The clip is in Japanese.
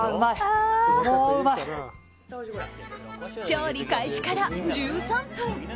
調理開始から１３分。